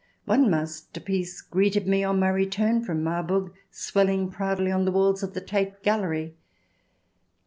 One masterpiece greeted me on my return from Marburg, swelling proudly on the walls of the Tate Gallery.